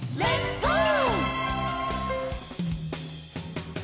「ゴー！」